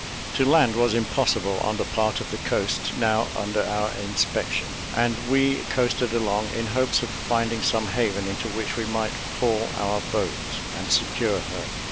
To land was impossible on the part of the coast now under our inspection, and we coasted along, in hopes of finding some haven into which we might haul our boat, and secure her.